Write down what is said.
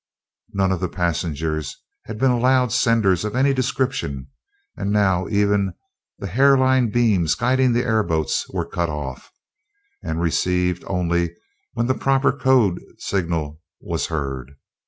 None of the passengers had been allowed senders of any description, and now even the hair line beams guiding the airboats were cut off, and received only when the proper code signal was heard.